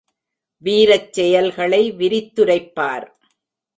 வீரச் செயல்களை விரித்துரைப்பார்.